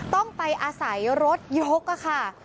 ต้องไปอาศัยรถยกค่ะ